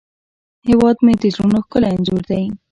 هیواد مې د زړونو ښکلی انځور دی